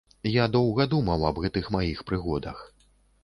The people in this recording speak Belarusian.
Я доўга думаў аб гэтых маіх прыгодах.